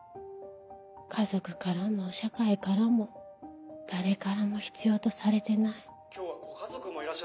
家族からも社会からも誰からも必要とされてない。